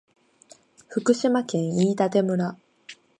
福島県飯舘村